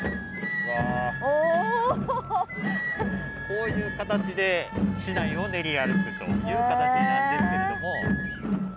こういう形で市内を練り歩くという形なんですけれども。